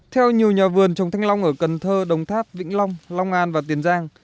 theo nhiều nhà vườn trồng thanh long ở cần thơ đồng tháp vĩnh long long an và tiền giang